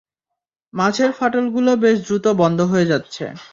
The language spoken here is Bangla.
মাঝের ফাটলগুলো বেশ দ্রুত বন্ধ হয়ে যাচ্ছে!